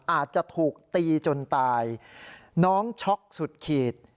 อาจจะถูกตีจนตายน้องช็อกสุดขีด